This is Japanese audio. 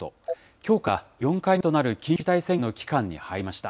きょうから４回目となる緊急事態宣言の期間に入りました。